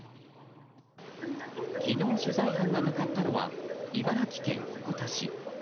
昨日、取材班が向かったのは茨城県鉾田市。